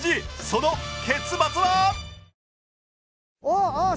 その結末は？